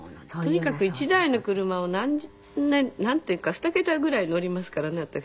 とにかく１台の車をなんていうか２桁ぐらい乗りますからね私。